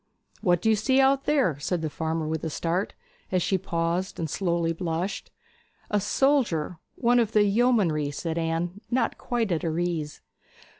'What do you see out there?' said the farmer with a start, as she paused and slowly blushed. 'A soldier one of the yeomanry,' said Anne, not quite at her ease.